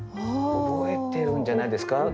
覚えてるんじゃないですか？